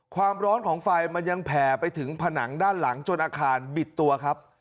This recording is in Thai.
ความร้อนของไฟมันยังแผ่ไปถึงผนังด้านหลังจนอาคารบิดตัวครับ